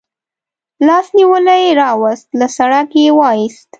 لاس نیولی راوست، له سړک یې و ایست.